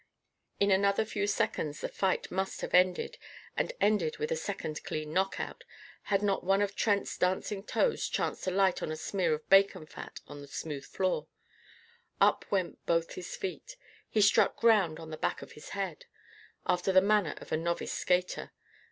In another few seconds the fight must have ended and ended with a second clean knock out had not one of Trent's dancing toes chanced to light on a smear of bacon fat on the smooth floor. Up went both of his feet. He struck ground on the back of his head, after the manner of a novice skater.